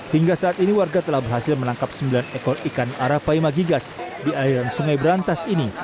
hingga saat ini warga telah berhasil menangkap sembilan ekor ikan arapaima gigas di aliran sungai berantas ini